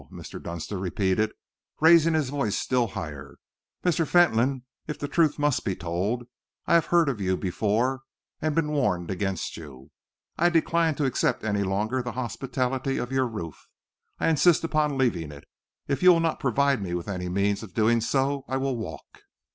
Mr. Dunster repeated, raising his voice still higher. "Mr. Fentolin, if the truth must be told, I have heard of you before and been warned against you. I decline to accept any longer the hospitality of your roof. I insist upon leaving it. If you will not provide me with any means of doing so, I will walk."